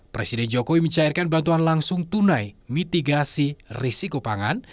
presiden jokowi mencairkan bantuan langsung tunai mitigasi risiko pangan